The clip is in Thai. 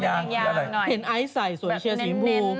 เห็นไอซ์ใส่สวยเชียร์สีมุม